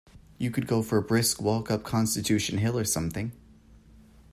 You could go for a brisk walk up Constitution Hill or something.